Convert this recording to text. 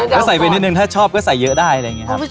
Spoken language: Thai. ก็ใส่ไปนิดนึงถ้าชอบก็ใส่เยอะได้อะไรอย่างนี้ครับ